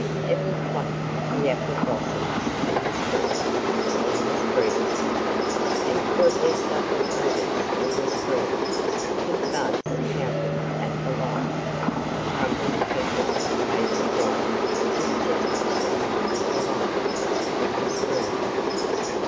Have you plucked the apple blossoms in the spring? In the spring? And caught their subtle odours in the spring? Pink buds pouting at the light, Crumpled petals baby white Just to touch them a delight In the spring.